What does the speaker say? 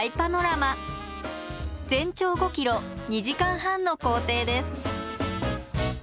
全長５ｋｍ２時間半の行程です